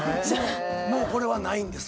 もうこれはないんです